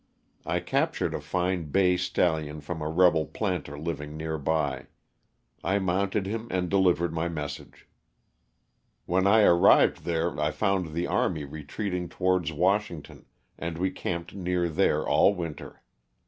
I captured a fine bay stallion from a rebel planter living near by. I mounted him and delivered my message. When I arrived there I found the army retreating towards Washington, and we camped near there all winter.